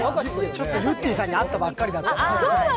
ちょっとゆってぃさんに会ったばかりだったんで。